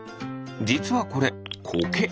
じつはこれコケ。